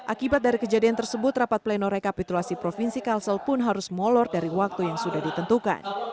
akibat dari kejadian tersebut rapat pleno rekapitulasi provinsi kalsel pun harus molor dari waktu yang sudah ditentukan